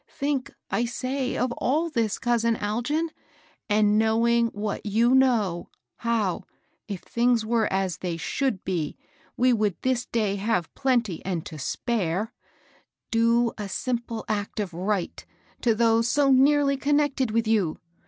Think, I say, of all this, c(»isin Algin, and hmwing tohat you knoWy how, if things if^ct as they should be, we would this day have plenty and to' spare, ^ do a sin^ple aet of right to those so nearly connected with you!